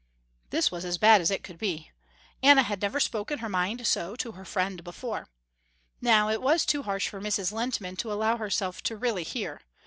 This was as bad as it could be. Anna had never spoken her mind so to her friend before. Now it was too harsh for Mrs. Lehntman to allow herself to really hear.